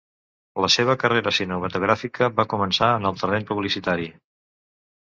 La seva carrera cinematogràfica va començar en el terreny publicitari.